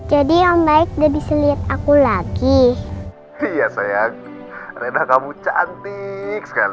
jadi yang baik udah bisa lihat aku lagi biasa ya regina kamu cantik sekali